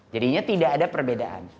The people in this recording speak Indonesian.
jadinya tidak ada perbedaan